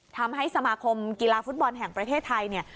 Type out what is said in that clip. ทำให้สมาคมกีฬาฟุตบอลแห่งประเทศไทยเนี่ย